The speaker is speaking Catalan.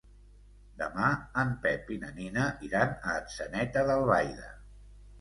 Demà en Pep i na Nina iran a Atzeneta d'Albaida.